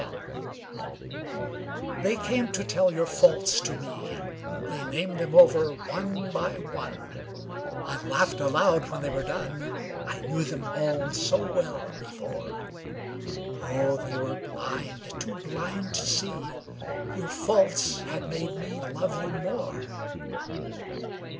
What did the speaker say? Faults They came to tell your faults to me, They named them over one by one; I laughed aloud when they were done, I knew them all so well before, Oh, they were blind, too blind to see Your faults had made me love you more.